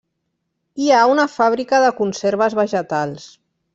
Hi ha una fàbrica de conserves vegetals.